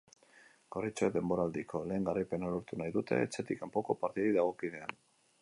Gorritxoek denboraldiko lehen garaipena lortu nahi dute etxetik kanpoko partidei dagokienean.